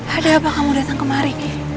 ada apa kamu datang kemari